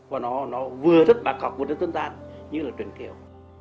và nó vừa rất bạc học vừa rất tương đoan như là truyền kiều